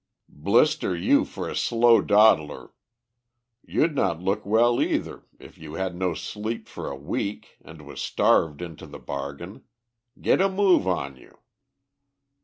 "Blister you for a slow dawdler, you'd not look well either, if you had no sleep for a week and was starved into the bargain. Get a move on you."